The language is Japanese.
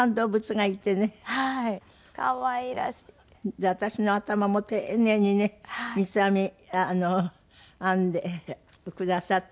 で私の頭も丁寧にね三つ編み編んでくださって。